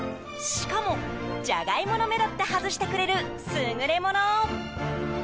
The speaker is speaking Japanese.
しかも、ジャガイモの芽だって外してくれる優れもの。